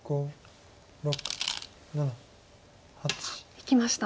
いきました。